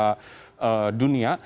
dan juga dari sepak bola dunia